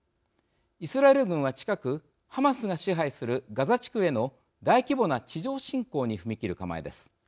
イスラエル軍は、近くハマスが支配するガザ地区への大規模な地上侵攻に踏み切る構えです。